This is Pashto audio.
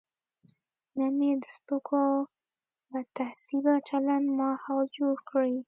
نه یې د سپکو او بدتهذیبه چلن ماحول جوړ کړي.